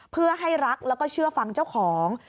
เพื่อให้รักแล้วก็เชื่อฟังเจ้าของ